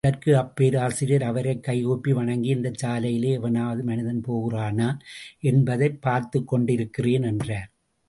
அதற்கு அப்பேராசிரியர் அவரைக் கைகூப்பி வணங்கி, இந்தச் சாலையிலே எவனாவது மனிதன் போகிறானா? என்பதைப் பார்த்துக்கொண்டிருக்கிறேன், என்றார்.